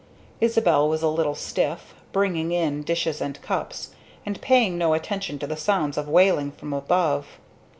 Isabel was a little stiff, bringing in dishes and cups, and paying no attention to the sounds of wailing from above.